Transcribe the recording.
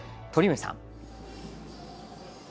鳥海さん。